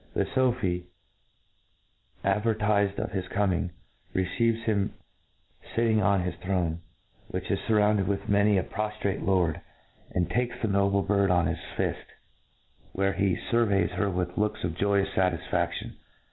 The Sophi, adverti fed of his coming, receives him fitting op his throne, which is furrounded with many a proftrate lord, ' find takes the noble bird on his fift, where he furveys her with looks of joypus fatisfaftioiY.